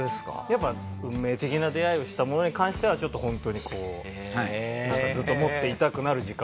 やっぱ運命的な出会いをしたものに関してはちょっとホントにこうなんかずっと持っていたくなる時間増えますよね。